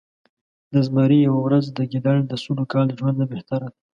د زمري يؤه ورځ د ګیدړ د سلو کالو د ژؤند نه بهتره ده